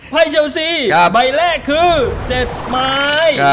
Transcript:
ไฟเจ้าซีใบแรกคือ๗ม้าย